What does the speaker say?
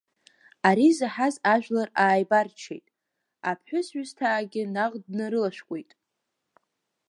Ари заҳаз ажәлар ааибарччеит, аԥҳәыс ҩысҭаагьы наҟ днарылашәкәеит.